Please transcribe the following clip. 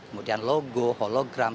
kemudian logo hologram